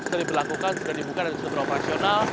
sudah diberlakukan sudah dibuka dan sudah beroperasional